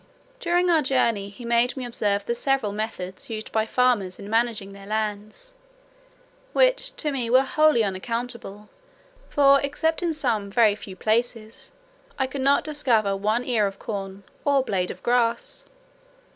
During our journey he made me observe the several methods used by farmers in managing their lands, which to me were wholly unaccountable; for, except in some very few places, I could not discover one ear of corn or blade of grass.